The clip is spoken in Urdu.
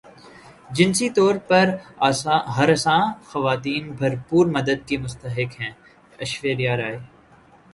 جنسی طور پر ہراساں خواتین بھرپور مدد کی مستحق ہیں ایشوریا رائے